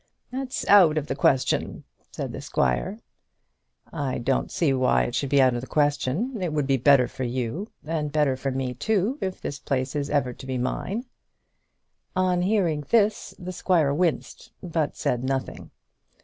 "That's out of the question," said the squire. "I don't see why it should be out of the question. It would be better for you, and better for me too, if this place is ever to be mine." On hearing this the squire winced, but said nothing.